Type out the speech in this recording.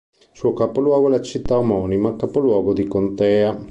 Il suo capoluogo è la città omonima, capoluogo di contea.